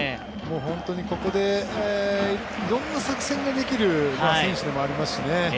ここでいろんな作戦ができる選手でもありますしね。